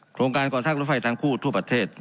โครงการก่อสร้างรถไฟทางคู่ทั่วประเทศ